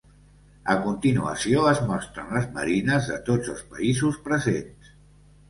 A continuació, es mostren les marines de tots els països presents.